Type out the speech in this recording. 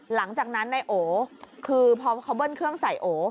หลังจากนั้นนายโอคือพอเขาเบิ้ลเครื่องใส่โอ